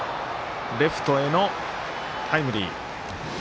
レフトへのタイムリー。